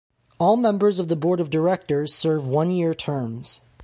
All members of the board of directors serve one year terms.